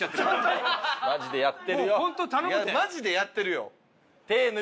いやマジでやってるよ。